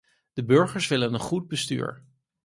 De burgers willen een goed bestuur.